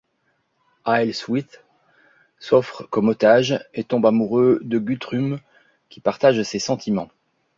Aelhswith, s'offre comme otage et tombe amoureuse de Guthrum, qui partage ses sentiments.